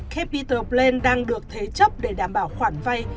capitol plain đang được thế chấp để đảm bảo khoản vay